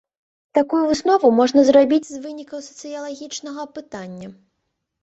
Такую выснову можна зрабіць з вынікаў сацыялагічнага апытання.